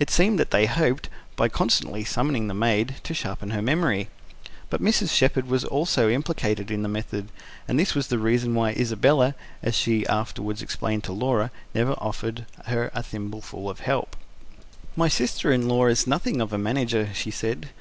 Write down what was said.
It seemed that they hoped, by constantly summoning the maid, to sharpen her memory. But Mrs. Shepherd was also implicated in the method; and this was the reason why Isabella as she afterwards explained to Laura never offered her a thimbleful of help. "My sister in law is nothing of a manager," she said.